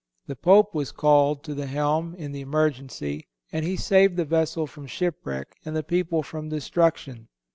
The Pope was called to the helm in the emergency, and he saved the vessel from shipwreck and the people from destruction.